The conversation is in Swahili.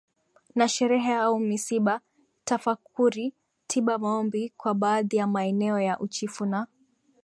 na sherehe au misiba tafakuri tiba maombi kwa baadhi ya maeneo ya Uchifu na